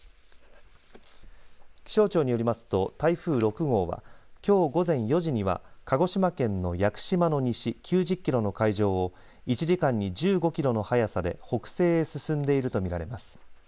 気象庁によりますと台風６号はきょう午前４時には鹿児島県の屋久島の西９０キロの海上を１時間に１５キロの速さで北西へ進んでいると見られます。